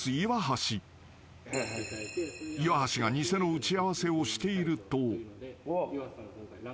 ［岩橋が偽の打ち合わせをしていると］